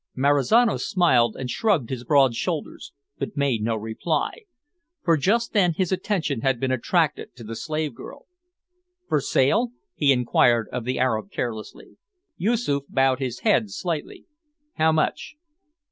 Marizano smiled and shrugged his broad shoulders, but made no reply, for just then his attention had been attracted to the slave girl. "For sale?" he inquired of the Arab carelessly. Yoosoof bowed his head slightly. "How much?"